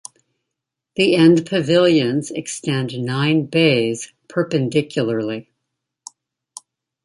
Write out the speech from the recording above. The end pavilions extend nine bays perpendicularly.